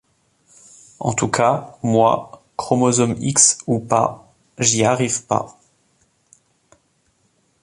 En tous cas, moi, chromosomes X ou pas, j’y arrive pas.